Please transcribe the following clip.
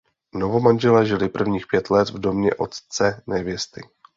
Novomanželé žili prvních pět let v domě otce nevěsty.